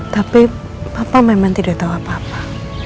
tapi papa memang tidak tahu apa apa